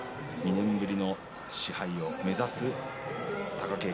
２年ぶりの賜盃を目指す貴景勝